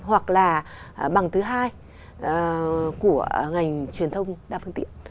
hoặc là bằng thứ hai của ngành truyền thông đa phương tiện